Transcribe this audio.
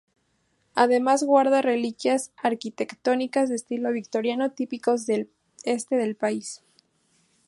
Además guarda reliquias arquitectónicas de estilo victoriano típicas del este del país.